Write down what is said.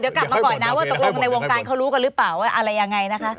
เดี๋ยวกลับมาก่อนนะว่าตกลงในวงการเขารู้กันหรือเปล่าว่าอะไรยังไงนะคะ